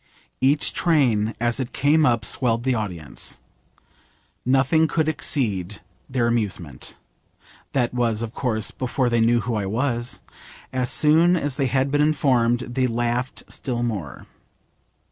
Each train as it came up swelled the audience. Nothing could exceed their amusement. That was, of course, before they knew who I was. As soon as they had been informed they laughed still more.